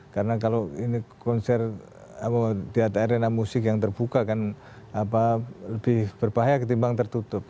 karena kalau ini konser di arena musik yang terbuka kan lebih berbahaya ketimbang tertutup